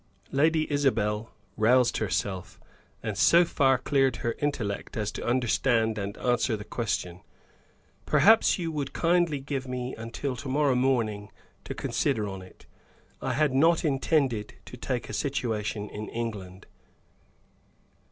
Lady Isabel roused herself, and so far cleared her intellect as to understand and answer the question. "Perhaps you would kindly give me until to morrow morning to consider on it? I had not intended to take a situation in England."